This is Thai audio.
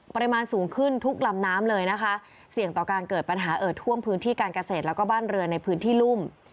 ปริมาณสูงขึ้นทุกลำน้ำเลยนะคะเสี่ยงต่อการเกิดปัญหาเอิดท่วมพื้นที่การเกษตรแล้วก็บ้านเรือนในพื้นที่รุ่ม